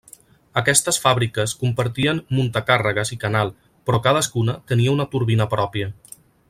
Aquestes fàbriques compartien muntacàrregues i canal, però cadascuna tenia una turbina pròpia.